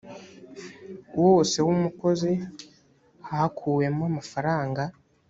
wose w umukozi hakuwemo amafaranga